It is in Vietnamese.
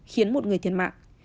khiến một người thiệt mạng